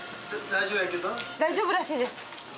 大丈夫らしいです。